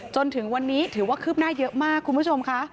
จนถึงวันนี้ถือว่าคืบหน้าเยอะมากคุณผู้ชมค่ะ